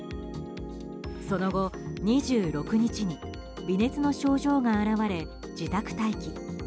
その後、２６日に微熱の症状が現れ自宅待機。